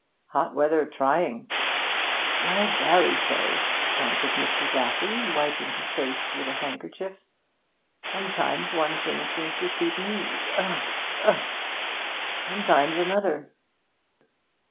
'Hot weather trying.' 'I vary so,' panted Mr. Daffy, wiping his face with a handkerchief. 'Sometimes one things seems to suit me ugh, ugh sometimes another.